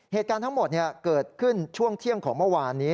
เหตุการณ์ทั้งหมดเกิดขึ้นช่วงเที่ยงของเมื่อวานนี้